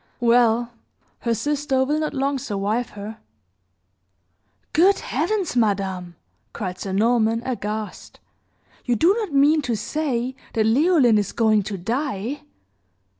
Well, her sister will not long survive her." "Good Heavens, madame!" cried Sir Norman, aghast. "You do not mean to say that Leoline is going to die?"